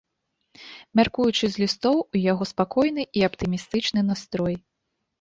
Мяркуючы з лістоў, у яго спакойны і аптымістычны настрой.